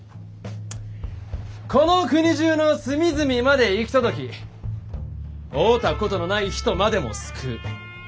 この国中の隅々まで行き届き会うたことのない人までも救う。